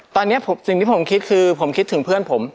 ตอนนี้สิ่งที่ผมคิดคือผมคิดถึงเพื่อนผม